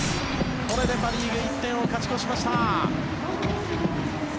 これでパ・リーグ１点を勝ち越しました。